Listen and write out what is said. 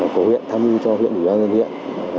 của huyện tham dự cho huyện ninh bình